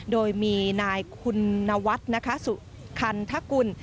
โดยมีนายคุณวัตรสุขันธกุล